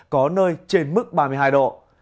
có nơi trên mức ba mươi hai độ